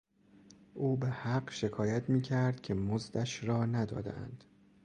او بهحق شکایت میکرد که مزدش را ندادهاند.